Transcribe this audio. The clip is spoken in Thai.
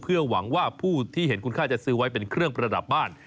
เพื่อหวังว่าผู้ที่เห็นคุณค่าจะซื้อไว้เป็นเครื่องประดับบ้าน